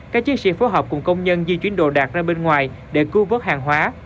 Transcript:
các chiến sĩ phối hợp cùng công nhân di chuyển đồ đạc ra bên ngoài để cứu vớt hàng hóa